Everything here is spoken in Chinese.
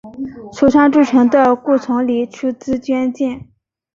首倡筑城的顾从礼出资捐建。